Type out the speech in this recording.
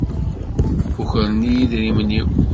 Ukren-iyi idrimen-iw.